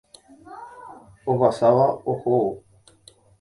Ohasáva ohóvo.